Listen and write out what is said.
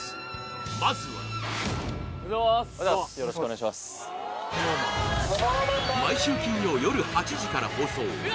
まずは毎週金曜夜８時から放送。